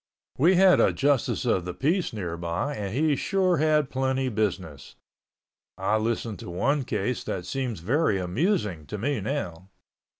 We had a justice of the peace nearby and he sure had plenty business. I listened to one case that seems very amusing to me now.